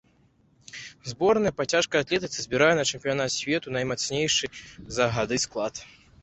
Зборная па цяжкай атлетыцы збірае на чэмпіянат свету наймацнейшы за гады склад.